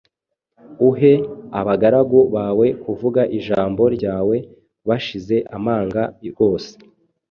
uhe abagaragu bawe kuvuga ijambo ryawe bashize amanga rwose: